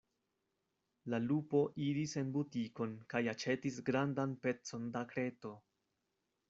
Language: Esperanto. La lupo iris en butikon kaj aĉetis grandan pecon da kreto.